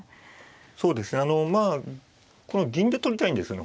そうですねまあこの銀で取りたいんですね